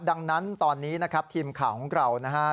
ดังนั้นตอนนี้นะครับทีมข่าวของเรานะฮะ